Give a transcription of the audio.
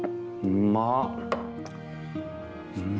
うまっ！